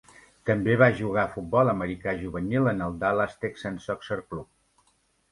També va jugar futbol americà juvenil en el Dallas Texans Soccer Club.